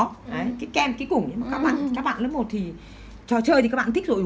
cái kem cái củng các bạn lớp một thì trò chơi thì các bạn thích rồi